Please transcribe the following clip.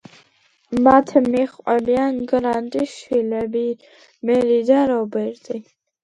მათ მიჰყვებიან გრანტის შვილები, მერი და რობერტი.